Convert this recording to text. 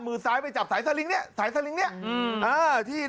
มือซ้ายจับสายสลิงนี้